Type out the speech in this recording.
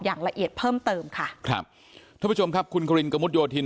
อย่างละเอียดเพิ่มเติมค่ะครับทุกผู้ชมครับคุณกกโยธิน